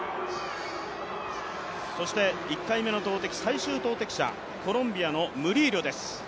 そして１回目の投てき、最終投てき者、コロンビアのムリーリョです。